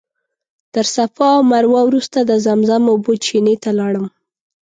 تر صفا او مروه وروسته د زمزم اوبو چینې ته لاړم.